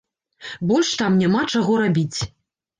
Больш там няма чаго рабіць.